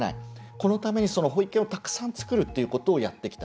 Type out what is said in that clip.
このために保育園を、たくさん作るっていうことをやってきた。